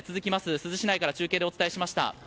珠洲市内から中継でお伝えしました。